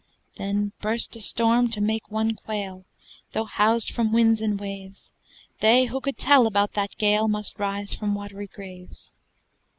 Then burst a storm to make one quail, Though housed from winds and waves They who could tell about that gale Must rise from watery graves!